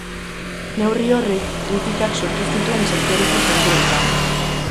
Neurri horrek kritikak sortu zituen sektoreko zentroetan.